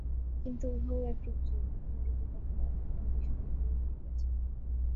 কিন্তু উহাও একরূপ যোগ, কোনরূপে তাহারা উহা আবিষ্কার করিয়া ফেলিয়াছে।